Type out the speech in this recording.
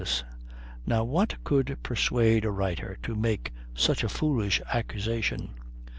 Now what could persuade a writer to make such a foolish accusation?